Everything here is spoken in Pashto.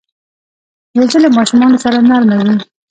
وزې له ماشومانو سره نرمه وي